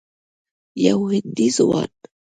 یو هندي ځوان